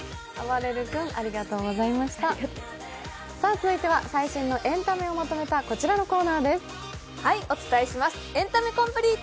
続いては最新のエンタメをまとめたこちらのコーナーです。